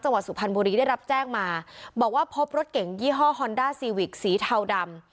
สุพรรณบุรีได้รับแจ้งมาบอกว่าพบรถเก่งยี่ห้อฮอนด้าซีวิกสีเทาดำ